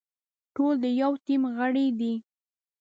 ټول د يوه ټيم غړي دي.